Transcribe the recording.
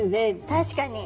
確かに。